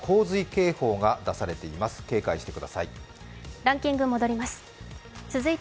警戒してください。